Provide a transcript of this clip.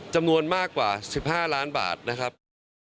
จำนวนมากกว่า๑๕ล้านบาทนะครับ